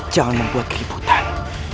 jangan membuat keliputan